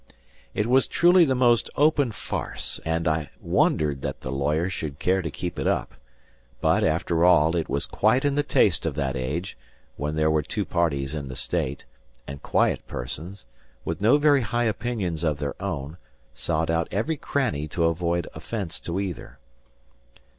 It was truly the most open farce, and I wondered that the lawyer should care to keep it up; but, after all, it was quite in the taste of that age, when there were two parties in the state, and quiet persons, with no very high opinions of their own, sought out every cranny to avoid offence to either.